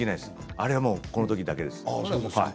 あれは、このときだけです。